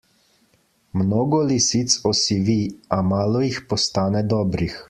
Mnogo lisic osivi, a malo jih postane dobrih.